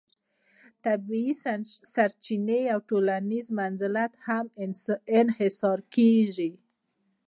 طبیعي سرچینې او ټولنیز منزلت هم انحصار کیږي.